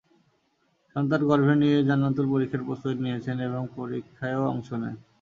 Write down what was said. সন্তান গর্ভে নিয়েই জান্নাতুল পরীক্ষার প্রস্তুতি নিয়েছেন এবং পরীক্ষায়ও অংশ নেন।